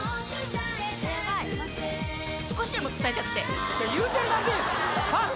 少しでも伝えたくて言うてるだけパス